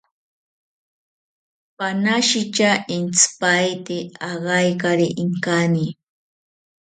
Panashitya intzipaete agaikari inkani